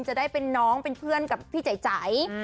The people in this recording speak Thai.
จะได้เป็นน้องเป็นเพื่อนกับพี่ใจ